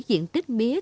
diện tích mía